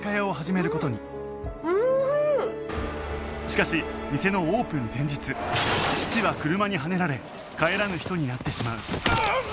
しかし店のオープン前日父は車にはねられ帰らぬ人になってしまううっ！